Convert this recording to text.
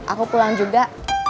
aku pulang juga